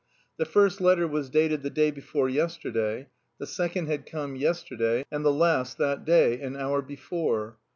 The first letter was dated the day before yesterday, the second had come yesterday, and the last that day, an hour before.